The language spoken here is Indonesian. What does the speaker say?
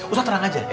ustadz tenang aja ya